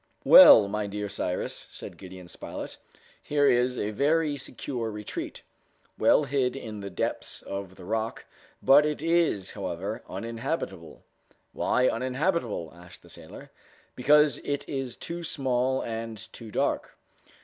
"Well, my dear Cyrus," said Gideon Spilett, "here is a very secure retreat, well hid in the depths of the rock, but it is, however, uninhabitable." "Why uninhabitable?" asked the sailor. "Because it is too small and too dark."